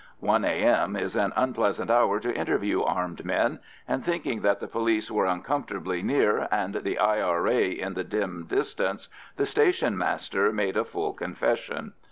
1 A.M. is an unpleasant hour to interview armed men, and thinking that the police were uncomfortably near and the I.R.A. in the dim distance, the station master made a full confession.